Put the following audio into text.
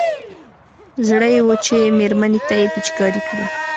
زړه يې و چې مېرمنې ته يې پېچکاري کړي.